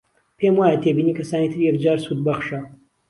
پێم وایە تێبینی کەسانی تر یەکجار سوودبەخشە